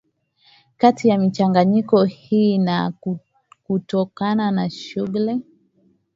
kati ya michanganyiko hii na hutokana na shughuli